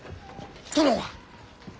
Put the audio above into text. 殿は！？